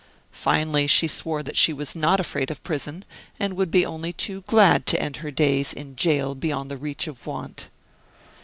Finally, she swore that she was not afraid of prison, and would be only too glad to end her days in jail beyond the reach of want.